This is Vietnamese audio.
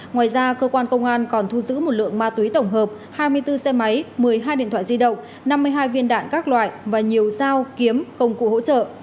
ngoài ra cơ quan công an còn thu giữ một lượng ma túy tổng hợp hai mươi bốn xe máy một mươi hai điện thoại di động năm mươi hai viên đạn các loại và nhiều dao kiếm công cụ hỗ trợ